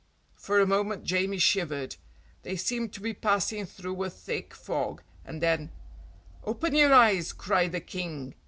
For a moment Jamie shivered, they seemed to be passing through a thick fog, and then "Open your eyes," cried the King.